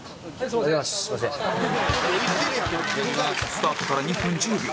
スタートから２分１０秒。